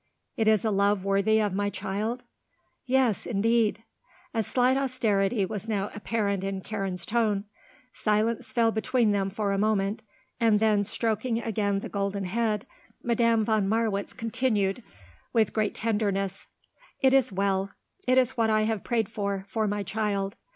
It is a love worthy of my child?" "Yes, indeed." A slight austerity was now apparent in Karen's tone. Silence fell between them for a moment, and then, stroking again the golden head, Madame von Marwitz continued, with great tenderness; "It is well. It is what I have prayed for for my child.